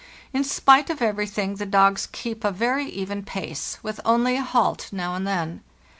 In spite of everything the dogs keep a very even pace, with only a halt now and then.